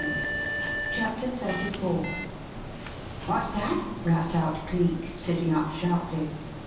CHAPTER XXXIV "What's that?" rapped out Cleek, sitting up sharply.